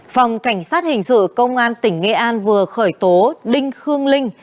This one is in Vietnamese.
phòng cảnh sát hình sự công an tỉnh nghệ an vừa khởi tố đinh khương linh